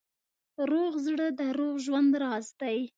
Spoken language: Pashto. روغ زړه د روغ ژوند راز دی.